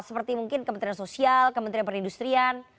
seperti mungkin kementerian sosial kementerian perindustrian